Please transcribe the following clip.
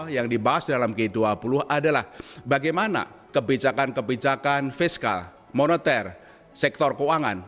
yang dibahas dalam g dua puluh adalah bagaimana kebijakan kebijakan fiskal moneter sektor keuangan